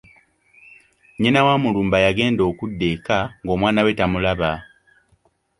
Nnyina wa Mulumba yagenda okudda eka ng’omwana we tamulaba.